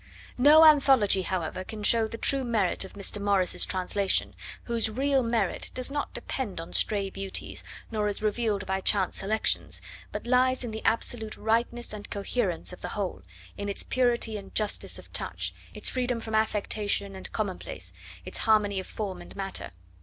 No anthology, however, can show the true merit of Mr. Morris's translation, whose real merit does not depend on stray beauties, nor is revealed by chance selections, but lies in the absolute rightness and coherence of the whole, in its purity and justice of touch, its freedom from affectation and commonplace, its harmony of form and matter.